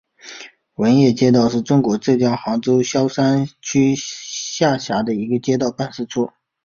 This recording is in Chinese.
闻堰街道是中国浙江省杭州市萧山区下辖的一个街道办事处。